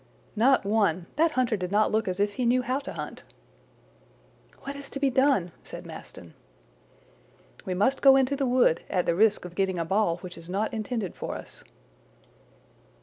"Not one! that hunter did not look as if he knew how to hunt!" "What is to be done?" said Maston. "We must go into the wood, at the risk of getting a ball which is not intended for us."